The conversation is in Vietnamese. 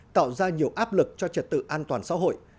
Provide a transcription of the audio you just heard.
tạo ra nhiều áp lực cho trật tự an toàn xã hội